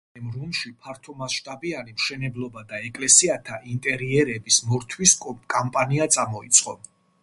ადრიანემ რომში ფართომასშტაბიანი მშენებლობა და ეკლესიათა ინტერიერების მორთვის კამპანია წამოიწყო.